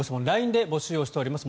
ＬＩＮＥで募集しています。